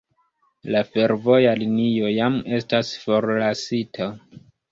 La fervoja linio jam estas forlasita.